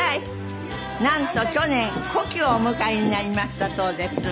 なんと去年古希をお迎えになりましたそうです。